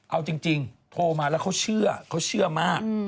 เอาจริงโทรมาแล้วเขาเชื่อเขาเชื่อมาก